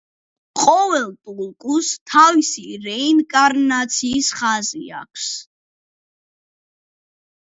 ყოველ ტულკუს თავისი რეინკარნაციის ხაზი აქვს.